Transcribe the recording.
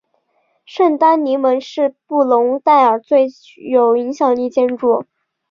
圣丹尼门是布隆代尔最有影响力建筑。